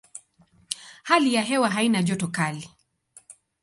Hali ya hewa haina joto kali.